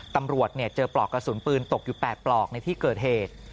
ตำรวจเจอปลอกกระสุนปืนตกอยู่๘ปลอกในที่เกิดเหตุ